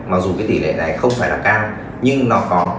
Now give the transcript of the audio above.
mặc dù cái tỷ lệ này không phải là cao nhưng nó khó